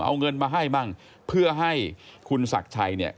เอาเงินมาให้มั่งเพื่อให้คุณศักดิ์ชัยเนี่ย